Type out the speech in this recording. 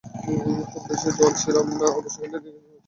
খুব বেশি জোয়ান ছিলাম না অবশ্য কিন্ত নিজেকে বেশ জোয়ান মনে হতো।